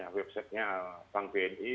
website nya bank bni